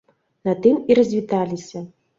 На тым і развіталіся.